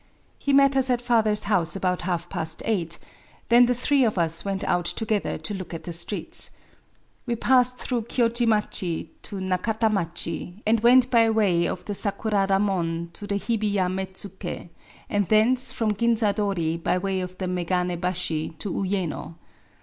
He met us at father's house about half past eight : then the three of us went out together to look at the streets. We passed through Koji machi to Nakatamachi, and went by way of the Sakurada Mon to the Hibiya Metsuke, and thence from Ginzaddri by way of the Megane Bashi to Uycno.